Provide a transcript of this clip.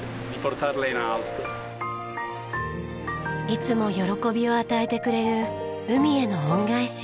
いつも喜びを与えてくれる海への恩返し。